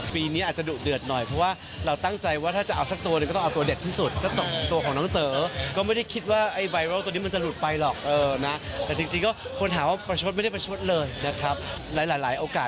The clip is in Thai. พี่หมูอาซาว่าแบรนด์ดังสุดเลยค่ะ